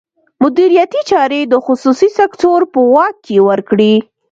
مدیریتي چارې د خصوصي سکتور په واک کې ورکړي.